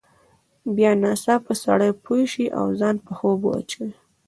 بیا ناڅاپه سړی پوه شي او ځان په خوب واچوي.